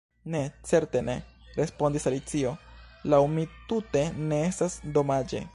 "Ne, certe ne!" respondis Alicio. "Laŭ mi tute ne estas domaĝe. »